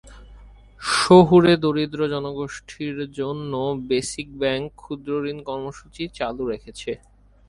শহুরে দরিদ্র জনগোষ্ঠীর জন্য বেসিক ব্যাংক ক্ষুদ্রঋণ কর্মসূচি চালু রেখেছে।